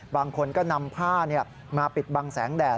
บางคนก็นำผ้ามาปิดบังแสงแดด